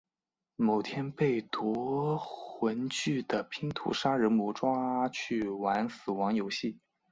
某天被夺魂锯的拼图杀人魔抓去玩死亡游戏。